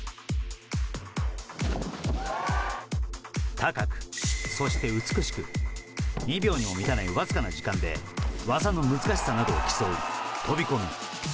高く、そして美しく２秒にも満たないわずかな時間で技の難しさなどを競う飛込。